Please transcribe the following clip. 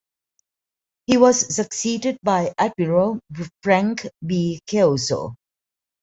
He was succeeded by Admiral Frank B. Kelso.